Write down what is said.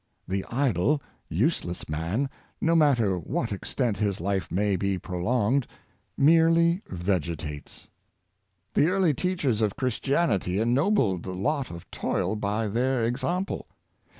The idle, useless man, no matter to what extent his life may be prolonged, mere ly vegetates. The early teachers of Christianity ennobled the lot of toil by their example.